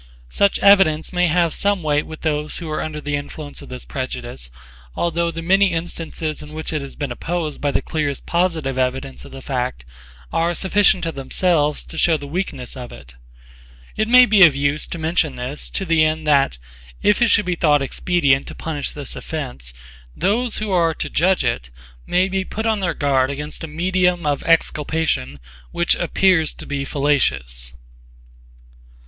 Such evidence may have some weight with those who are under the influence of this prejudice, although the many instances in which it has been opposed by the clearest positive evidence of the fact are sufficient of themselves to shew the weakness of it. It may be of use to mention this to the end that, if it should be thought expedient to punish this offence, those who are to judge it may be put on their guard against a medium of exculpation which appears to be fallacious.